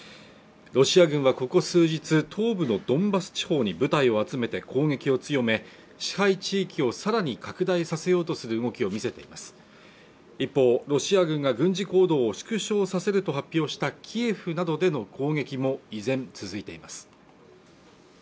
ロシア軍はここ数日、東部のドンバス地方に部隊を集めて攻撃を強め支配地域をさらに拡大させようとする動きを見せています一方ロシア軍が軍事行動を縮小させると発表したキエフなどでの攻撃も依然続いています